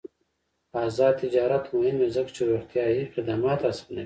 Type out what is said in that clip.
آزاد تجارت مهم دی ځکه چې روغتیا خدمات اسانوي.